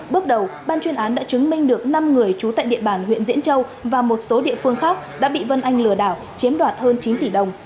bước đầu ban chuyên án đã chứng minh được năm người trú tại địa bàn huyện diễn châu và một số địa phương khác đã bị vân anh lừa đảo chiếm đoạt hơn chín tỷ đồng